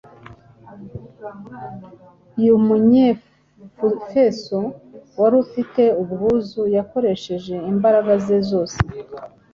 Uyu Munyefeso wari ufite ubwuzu yakoresheje imbaraga ze zose